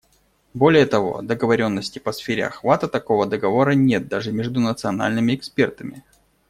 Более того, договоренности по сфере охвата такого договора нет даже между национальными экспертами.